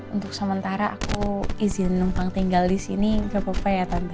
untuk sementara aku izin numpang tinggal di sini gak apa apa ya tante